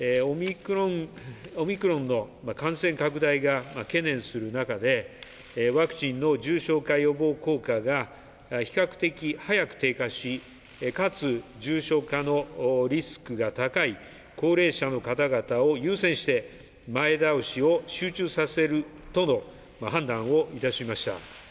オミクロンの感染拡大が懸念する中でワクチンの重症化予防効果が比較的早く低下し、かつ重症化のリスクが高い高齢者の方々を優先して前倒しを集中させるとの判断をいたしました。